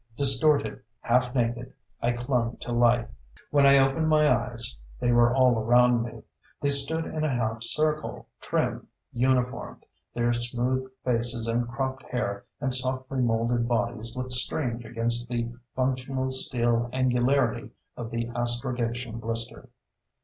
Distorted, half naked, I clung to life. When I opened my eyes, they were all around me. They stood in a half circle, trim, uniformed. Their smooth faces and cropped hair and softly molded bodies looked strange against the functional steel angularity of the astrogation blister.